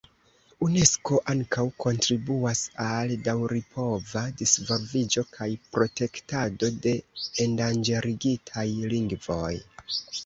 Unesko ankaŭ kontribuas al daŭripova disvolviĝo kaj protektado de endanĝerigitaj lingvoj.